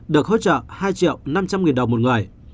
được hỗ trợ hai triệu năm trăm linh nghìn đồng một người